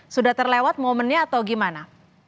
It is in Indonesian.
sudah terlewat momennya atau gimana